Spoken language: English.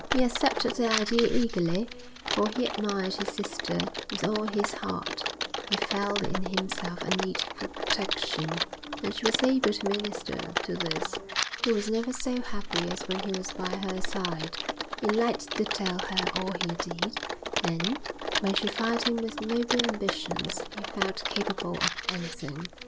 He accepted the idea eagerly, for he admired his sister with all his heart; he felt in himself a need for protection, and she was able to minister to this. He was never so happy as when he was by her side. He liked to tell her all he did, and, when she fired him with noble ambitions, he felt capable of anything.